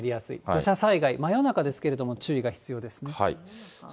土砂災害、真夜中ですけれども注意が必要ですね。